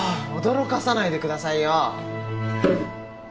驚かさないでくださいよ。